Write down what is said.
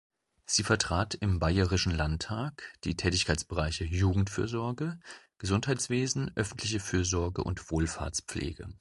Sie vertrat im Bayerischen Landtag die Tätigkeitsbereiche Jugendfürsorge, Gesundheitswesen, öffentliche Fürsorge und Wohlfahrtspflege.